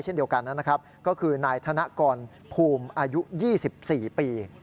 เช่นเดียวกันนะครับก็คือนายธนกรภูมิอายุ๒๔ปี